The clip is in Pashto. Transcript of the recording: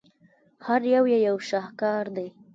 هر یو یې یو شاهکار دی.